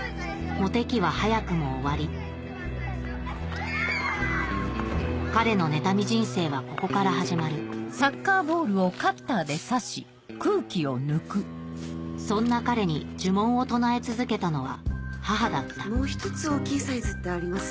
モテ期は早くも終わり彼の妬み人生はここから始まるそんな彼に呪文を唱え続けたのは母だったもう１つ大きいサイズってあります？